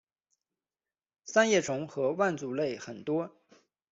三叶虫和腕足类很多。